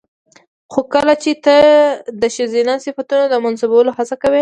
خو کله چې خداى ته د ښځينه صفتونو د منسوبولو هڅه کوو